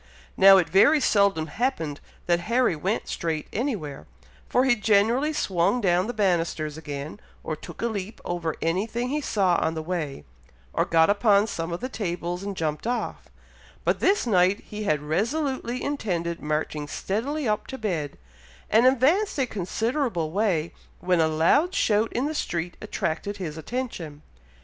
Now, it very seldom happened, that Harry went straight anywhere, for he generally swung down the bannisters again, or took a leap over any thing he saw on the way, or got upon some of the tables and jumped off, but this night he had resolutely intended marching steadily up to bed, and advanced a considerable way, when a loud shout in the street attracted his attention.